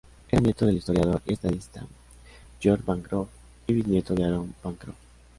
Era nieto del historiador y estadista George Bancroft y bisnieto de Aaron Bancroft.